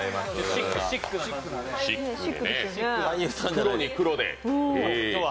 黒に黒で。